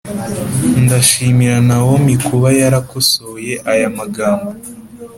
ndashimira naomi kuba yarakosoye aya magambo.